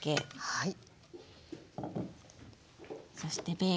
はい。